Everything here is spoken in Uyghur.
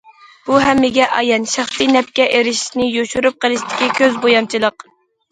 بۇ ھەممىگە ئايان شەخسىي نەپكە ئېرىشىشنى يوشۇرۇپ قېلىشتىكى كۆز بويامچىلىق.